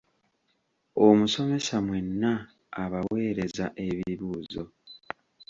Omusomesa mwenna abaaweereza ebibuuzo.